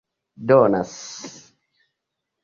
donas